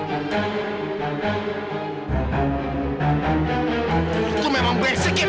fadil kamu memang beres sikit